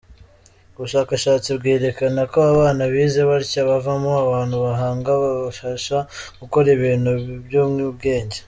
Ubushakashatsi bwerekana ko abana bize batya bavamo abantu bahanga babasha gukora ibintu by’ubwenge.